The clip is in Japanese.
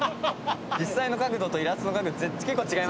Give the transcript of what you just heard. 実際の角度とイラストの角度結構違いますよね。